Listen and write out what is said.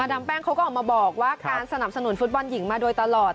ดามแป้งเขาก็ออกมาบอกว่าการสนับสนุนฟุตบอลหญิงมาโดยตลอด